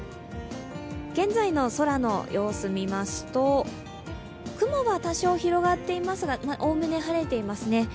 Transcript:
現在の空の様子を見ますと、雲は多少広がっていますがおおむね晴れていますね。